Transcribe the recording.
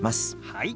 はい。